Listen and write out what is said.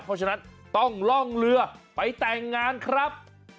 เพราะฉะนั้นต้องล่องเรือไปแต่งงานครับ